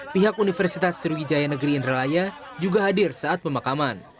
pihak universitas sriwijaya negeri indralaya juga hadir saat pemakaman